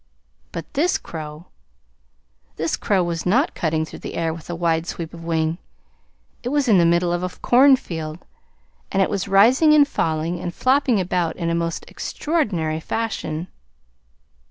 But this crow This crow was not cutting through the air with a wide sweep of wing. It was in the middle of a cornfield, and it was rising and falling and flopping about in a most extraordinary fashion.